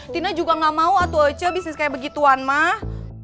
tina juga gak mau atu aja bisnis kayak begituan mah